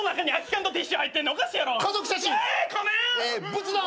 仏壇。